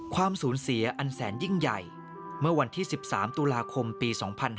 ความสูญเสียอันแสนยิ่งใหญ่เมื่อวันที่๑๓ตุลาคมปี๒๕๕๙